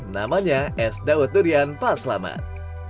namanya es dawet durian paselamat